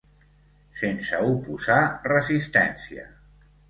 Sense oposar resistència.